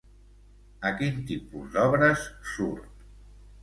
A quin tipus d'obres surt?